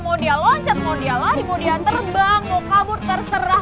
mau dia loncat mau dia lari mau dia terbang mau kabur terserah